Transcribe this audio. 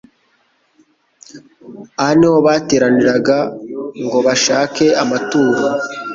Aho ni ho bateraniraga ngo bashake amaturo.